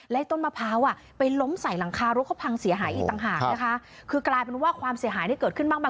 และต้นมะพร้าวไปล้มใส่หลังคารถ้านะคือกลายเป็นว่าความเสียหายเกิดขึ้นมากมาย